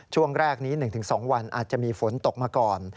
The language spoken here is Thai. ช่วงแรกนี้๑๒วันอาจจะมีฝนตกมาก่อน